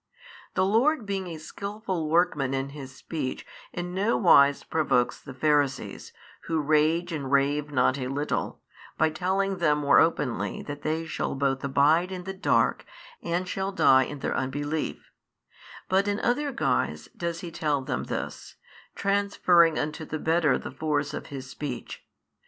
The Lord being a skillful workman in His speech, in no wise provokes the Pharisees, who rage and rave not a little, by telling them more openly that they shall both abide in the dark and shall die in their unbelief: but in other guise does He tell them this, transferring unto the better the force of His speech.